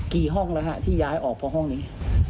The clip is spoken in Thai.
กี่ห้องแล้วฮะที่ย้ายออกเพราะห้องนี้